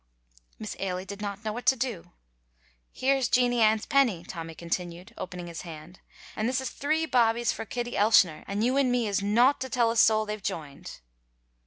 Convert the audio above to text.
Miss Ailie did not know what to do. "Here's Jeanie Ann's penny," Tommy continued, opening his hand, "and this is three bawbees frae Kitty Elshioner and you and me is no to tell a soul they've joined."